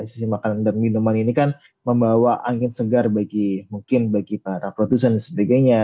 sisi makanan dan minuman ini kan membawa angin segar bagi mungkin bagi para produsen dan sebagainya